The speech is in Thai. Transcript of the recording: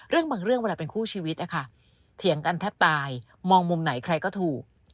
บางเรื่องเวลาเป็นคู่ชีวิตนะคะเถียงกันแทบตายมองมุมไหนใครก็ถูก